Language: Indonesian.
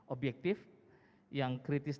objektif yang kritis